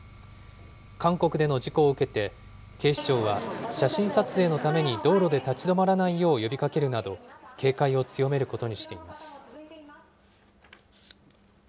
韓国での事故を受けて、警視庁は、写真撮影のために道路で立ち止まらないよう呼びかけるなど、警戒を強めることにしています。